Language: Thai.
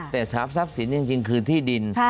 แต่ทรัพย์สินจริงคือที่ดิน